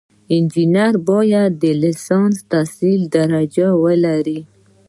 انجینر باید د لیسانس تحصیلي درجه ولري.